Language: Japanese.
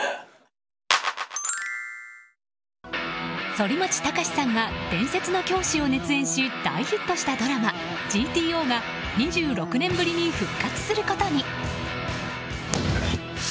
反町隆史さんが伝説の教師を熱演し大ヒットしたドラマ「ＧＴＯ」が２６年ぶりに復活することに。